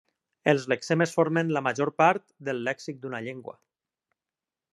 Els lexemes formen la major part del lèxic d'una llengua.